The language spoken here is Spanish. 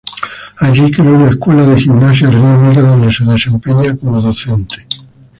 Allí creó una escuela de gimnasia rítmica donde se desempeña como docente.